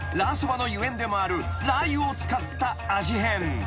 蕎麦のゆえんでもあるラー油を使った味変］